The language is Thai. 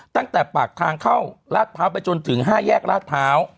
ตั้งแต่ปากทางเข้าลาดพร้าวไปจนถึง๕แยกลาดพร้าว